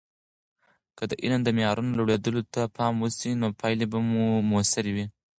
که د علم د معیارونو لوړیدو ته پام وسي، نو پایلې به موثرې وي.